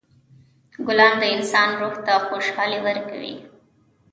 ګلان د انسان روح ته خوشحالي ورکوي.